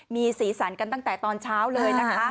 มีสีสันกันตั้งแต่ตอนเช้าเลยนะคะ